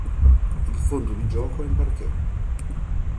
Il fondo di gioco è in parquet.